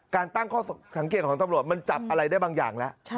การตั้งข้อสังเกตของตำรวจมันจับอะไรได้บางอย่างแล้ว